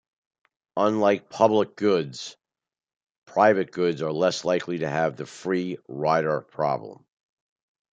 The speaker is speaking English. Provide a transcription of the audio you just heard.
Unlike public goods, private goods are less likely to have the free rider problem.